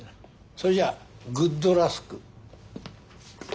それじゃあグッドラスク。